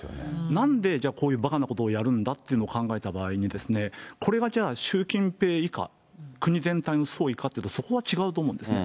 なんでじゃあ、こんなばかなことをやるんだっていうのを考えた場合に、これがじゃあ、習近平以下、国全体の総意かというと、そこは違うと思うんですね。